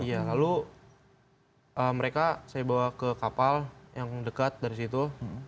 iya lalu mereka saya bawa ke kapal yang dekat dari situ